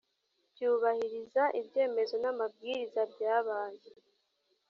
byubahiriza ibyemezo n amabwiriza byabaye